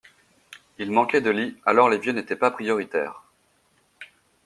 Ils manquaient de lits alors les vieux n'étaient pas prioritaies.